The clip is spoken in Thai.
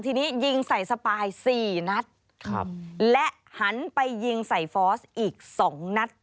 ทีนี้ยิงใส่สปาย๔นัดและหันไปยิงใส่ฟอสอีก๒นัด